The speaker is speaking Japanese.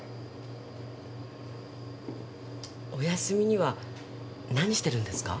お休みには何してるんですか？